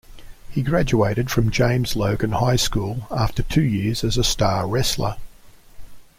He graduated from James Logan High School after two years as a star wrestler.